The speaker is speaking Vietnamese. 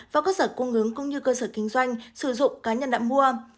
và cơ sở cung ứng cũng như cơ sở kinh doanh sử dụng cá nhân đã mua